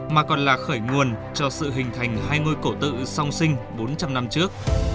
mà còn là khởi nguồn cho sự hình thành hai mươi cổ tự song sinh bốn trăm linh năm trước